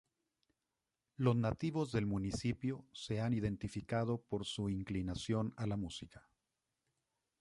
Los nativos del municipio, se han identificado por su inclinación a la música.